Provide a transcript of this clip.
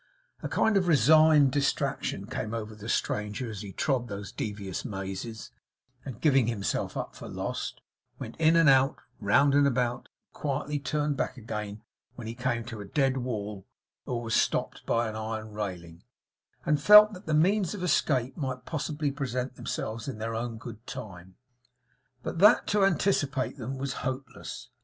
A kind of resigned distraction came over the stranger as he trod those devious mazes, and, giving himself up for lost, went in and out and round about and quietly turned back again when he came to a dead wall or was stopped by an iron railing, and felt that the means of escape might possibly present themselves in their own good time, but that to anticipate them was hopeless.